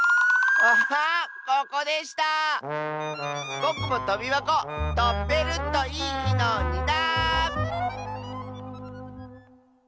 ぼくもとびばことべるといいのにな！